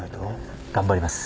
頑張ります。